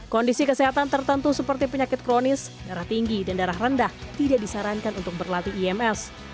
kondisi kesehatan tertentu seperti penyakit kronis darah tinggi dan darah rendah tidak disarankan untuk berlatih ims